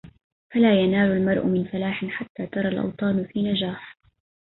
فلا ينال المرء من فلاحِ حتى تُرى الاوطانُ في نجاحِ